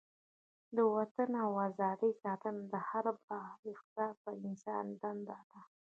د وطن او ازادۍ ساتنه د هر با احساسه انسان دنده ده.